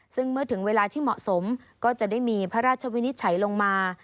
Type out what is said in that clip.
ซึ่งเมื่อถึงเวลาที่เหมาะสมก็จะได้มีพระราชวินิจฉัยลงมา